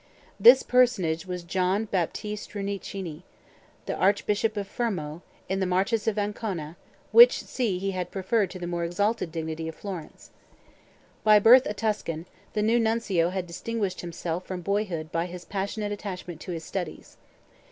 This personage was John Baptist Rinuccini, Archbishop of Fermo, in the Marches of Ancona, which see he had preferred to the more exalted dignity of Florence. By birth a Tuscan, the new Nuncio had distinguished himself from boyhood by his passionate attachment to his studies.